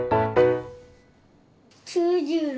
９６。